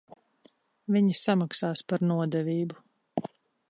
Viņi samaksās par nodevību.